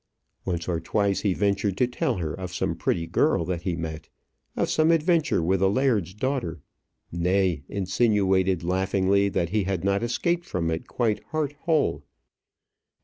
Once or twice he ventured to tell her of some pretty girl that he met, of some adventure with a laird's daughter; nay, insinuated laughingly that he had not escaped from it quite heart whole.